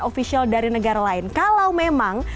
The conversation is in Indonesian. ofisial dari negara lain kalau memang